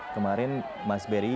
kemarin mas beri